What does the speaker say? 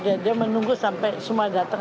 dia menunggu sampai semua datang